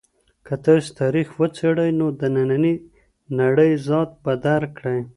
که تاسو تاریخ وڅېړئ نو د نننۍ نړۍ ذات به درک کړئ.